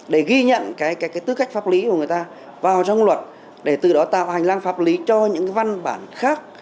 để ghi nhận tư cách pháp lý của người ta vào trong luật để từ đó tạo hành lang pháp lý cho những văn bản khác